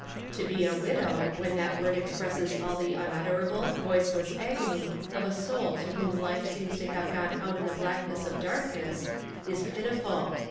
To be a widow, when that word ex presses all the unutterable, voiceless agony of a soul to whom life seems to have gone out in the blackness of darkness, is pitiful.